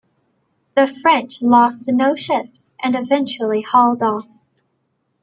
The French lost no ships and eventually hauled off.